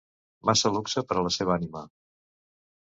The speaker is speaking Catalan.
Massa luxe per a la seva ànima